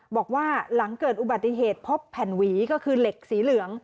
บอกว่าหลังเกิดอุบัติเหตุพบแผ่นหวีก็คือเหล็กสีเหลือง